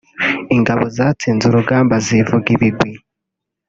ingabo zatsinze urugamba zivuga ibigwi